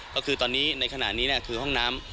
ก็คือตอนนี้ในขณะนี้คือห้องน้ำ